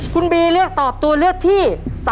คุณบีเลือกตอบตัวเลือกที่๓